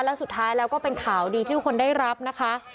แล้วสุดท้ายแล้วก็เป็นข่าวดีที่ทุกคนได้รับนะคะ